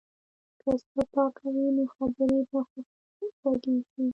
که زړه پاک وي، نو خبرې به خوږې شي.